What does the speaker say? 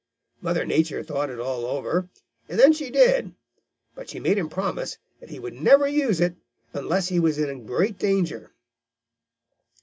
Mother Nature thought it all over, and then she did, but she made him promise that he would never use it unless he was in great danger.